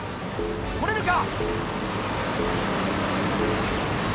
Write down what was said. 取れるか？